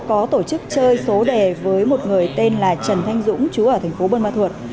có tổ chức chơi số đề với một người tên là trần thanh dũng chú ở thành phố vân ba thuật